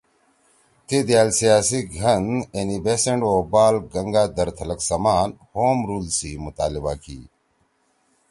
تی دأل سیاسی گھن اینی بیسنٹ او بال گنگا دھرتلک سمَان ”ہوم رول“ سی مطالبہ کی